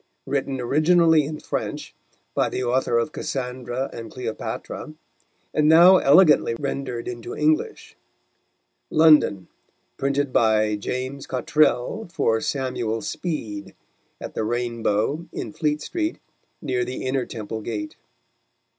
Written originally in French, by the Author of Cassandra and Cleopatra: and now elegantly rendered into English. London: Printed by Ja: Cottrell for Samuel Speed, at the Rain Bow in Fleetstreet, near the Inner Temple Gate.